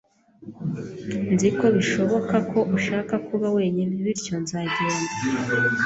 Nzi ko bishoboka ko ushaka kuba wenyine, bityo nzagenda.